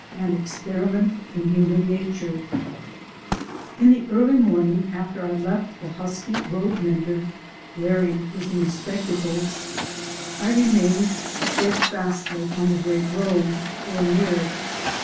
AN EXPERIMENT IN HUMAN NATURE In the early morning after I left the husky road mender (wearing his new spectacles), I remained steadfastly on the Great Road or near it.